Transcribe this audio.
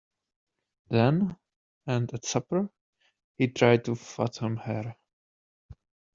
Then, and at supper, he tried to fathom her.